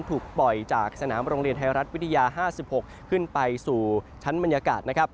ถูกปล่อยจากสนามโรงเรียนไทยรัฐวิทยา๕๖ขึ้นไปสู่ชั้นบรรยากาศนะครับ